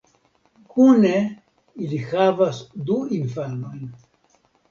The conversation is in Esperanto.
Kune ili havas du infanojn.